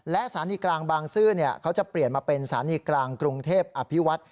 และสถานีกลางบางซื่อเขาจะเปลี่ยนมาเป็นสถานีกลางกรุงเทพอภิวัฒน์